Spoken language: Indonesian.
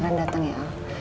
nah datang nggak